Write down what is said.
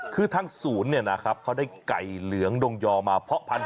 คือทั้งศูนย์นะครับเขาได้ไก่เหลืองดงยอมาเผ่าพันธุ์